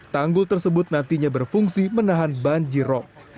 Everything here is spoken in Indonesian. tanggul tersebut nantinya berfungsi menahan banjir rom